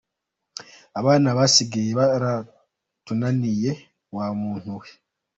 Abana basigaye baratunaniye wa muntu we.